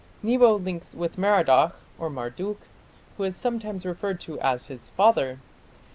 Nebo links with Merodach (Marduk), who is sometimes referred to as his father.